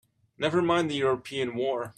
Never mind the European war!